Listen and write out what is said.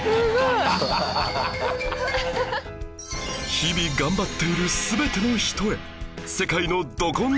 日々頑張っている全ての人へ